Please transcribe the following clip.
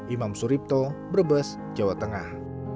imam suripto brebes jawa tengah